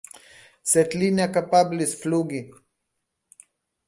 Sed li ne kapablis flugi!